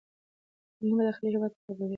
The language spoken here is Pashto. بهرنۍ مداخلې هیواد خرابوي.